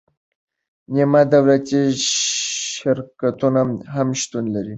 نیمه دولتي شرکتونه هم شتون لري.